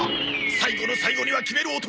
最後の最後には決める男！